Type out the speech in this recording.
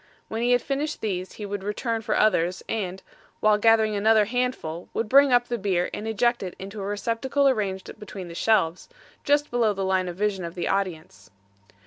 When he had finished these he would return for others and, while gathering another handful, would bring up the beer and eject it into a receptacle arranged between the shelves, just below the line of vision of the audience.